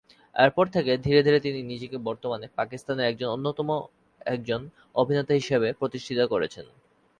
এর পর থেকে ধীরে ধীরে তিনি নিজেকে বর্তমানে পাকিস্তানের একজন অন্যতম একজন অভিনেতা হিসেবে প্রতিষ্ঠিত করেছেন।